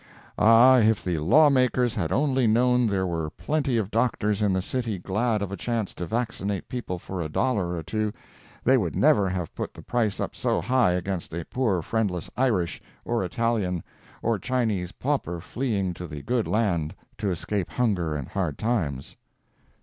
Ah, if the law makers had only known there were plenty of doctors in the city glad of a chance to vaccinate people for a dollar or two, they would never have put the price up so high against a poor friendless Irish, or Italian, or Chinese pauper fleeing to the good land to escape hunger and hard times.